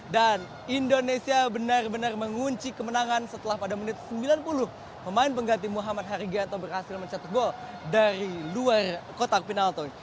dan indonesia benar benar mengunci kemenangan setelah pada menit sembilan puluh pemain pengganti muhammad harigato berhasil mencetak gol dari luar kotak penalti